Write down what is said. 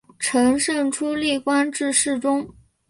承圣初历官至侍中。